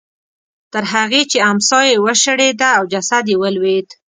تر هغې چې امسا یې وشړېده او جسد یې ولوېد.